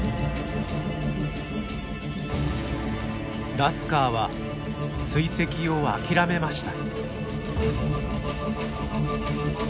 ラスカーは追跡を諦めました。